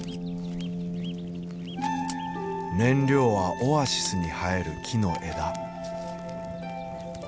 燃料はオアシスに生える木の枝。